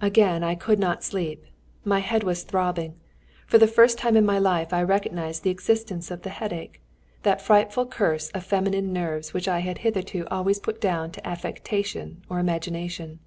Again I could not sleep; my head was throbbing. For the first time in my life I recognised the existence of the headache, that frightful curse of feminine nerves which I had hitherto always put down to affectation or imagination.